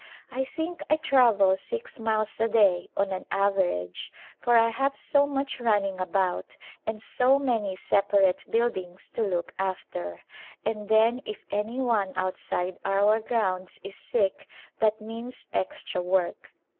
I think I travel six miles a day, on an average, for I have so much runnino about and so many separate buildings to look after \ and then if any one outside our grounds is sick that means extra work.